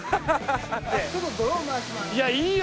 ちょっとドローン回します。